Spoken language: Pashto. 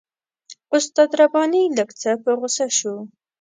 استاد رباني لږ څه په غوسه شو.